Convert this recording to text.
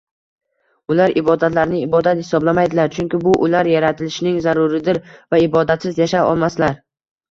Ular ibodatlarini ibodat hisoblamaydilar, chunki bu ular yaratilishining zaruridir va ibodatsiz yashay olmaslar